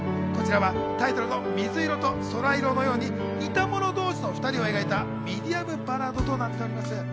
タイトルの水色と空色のように似た者同士の２人を描いたミディアムバラードとなっております。